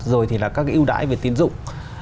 rồi thì là các cái ưu đãi về tín dụng